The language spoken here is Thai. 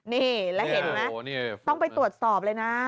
นี่แล้วเห็นไหมต้องไปตรวจสอบเลยนะ